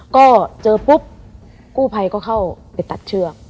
ก็เจอปุ๊บกู้ภัยก็เข้าไปตัดเชือก